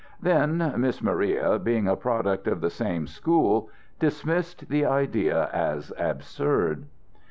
Then Miss Maria, being a product of the same school, dismissed the idea as absurd.